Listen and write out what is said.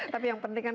tapi yang penting kan